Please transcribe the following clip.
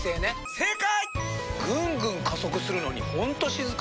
正解！